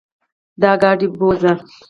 دا ګاډې بوځه.